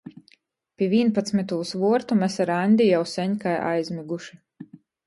Pi vīnpadsmytūs vuortu mes ar Aņdi jau seņ kai aizmyguši.